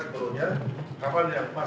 tapi sebenarnya saya akan berada di bpp kota